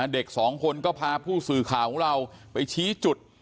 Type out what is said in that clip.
เด็กสองคนก็พาผู้สื่อข่าวของเราไปชี้จุด